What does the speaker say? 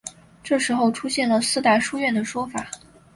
这时候出现了四大书院的说法。